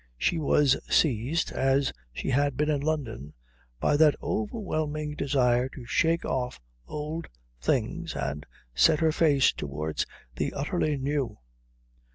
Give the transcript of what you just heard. She was seized, as she had been in London, by that overwhelming desire to shake off old things and set her face towards the utterly new.